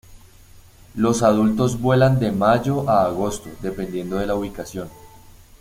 Los adultos vuelan de mayo a agosto, dependiendo de la ubicación.